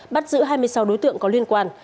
bắt giữ hai mươi sáu đối tượng có liên quan